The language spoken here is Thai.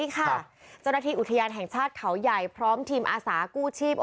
เจ้าหน้าที่อุทยานแห่งชาติเขาใหญ่พร้อมทีมอาสากู้ชีพ